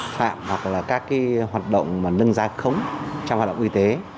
phạm hoặc là các cái hoạt động mà nâng giá khống trong hoạt động y tế